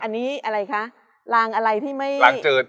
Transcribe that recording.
อันนี้อะไรคะรางอะไรที่ไม่ลางจืด